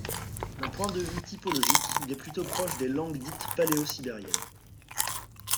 D'un point de vue typologique, il est plutôt proche des langues dites paléo-sibériennes.